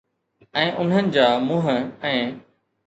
۽ انهن جا منهن ۽